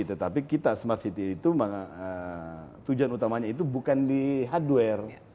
tetapi kita smart city itu tujuan utamanya itu bukan di hardware